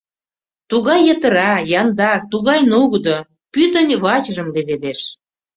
Тугай йытыра, яндар, тугай нугыдо, пӱтынь вачыжым леведеш.